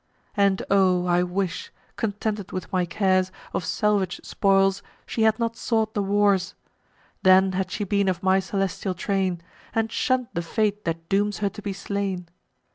And, O! I wish, contented with my cares Of salvage spoils, she had not sought the wars! Then had she been of my celestial train, And shunn'd the fate that dooms her to be slain.